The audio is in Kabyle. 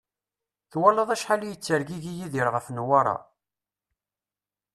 Twalaḍ acḥal i yettergigi Yidir ɣef Newwara?